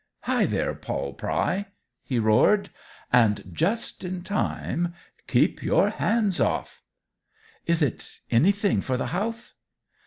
Hi, there, Poll Pry!" he roared, and just in time; "keep your hands off." "Is it anything for the house?"